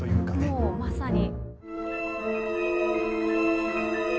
もうまさに。